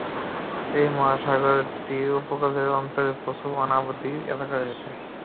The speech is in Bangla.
এ মহাসাগরটির উপকূল অঞ্চলে প্রচুর অনাবাদী এলাকা রয়েছে।